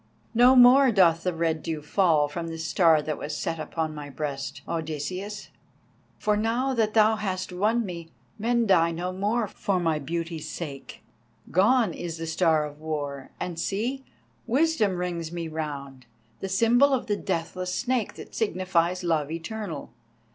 "No more doth the red dew fall from the Star that was set upon my breast, Odysseus, for now that thou hast won me men die no more for my beauty's sake. Gone is the Star of War; and see, Wisdom rings me round, the symbol of the Deathless Snake that signifies love eternal.